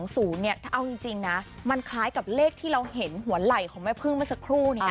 ซึ่งเลข๔๒๐เนี่ยเอาจริงนะมันคล้ายกับเลขที่เราเห็นหัวไหล่ของแม่พึ่งเมื่อสักครู่เนี่ย